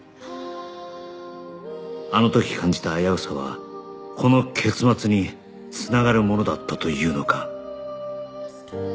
あの時感じた危うさはこの結末に繋がるものだったというのか